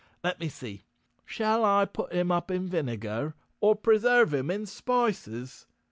Let me see, shall I put him up in vinegar or preserve him in spices?"